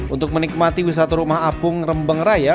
untuk menikmati wisata rumah apung rembeng raya